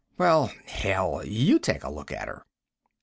well, hell. You take a look at her."